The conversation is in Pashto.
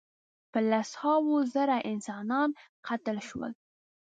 په لس هاوو زره انسانان قتل شول.